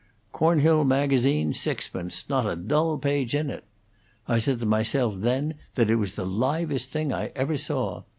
'Cornhill Magazine'. Sixpence. Not a dull page in it.' I said to myself then that it was the livest thing I ever saw.